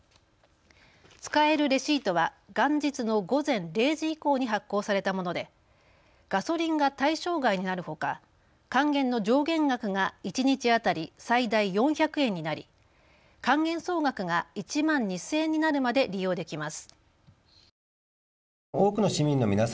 使えるレシートは元日の午前０時以降に発行されたものでガソリンが対象外になるほか還元の上限額が一日当たり最大４００円になり還元総額が１万２０００円になるまで利用できます。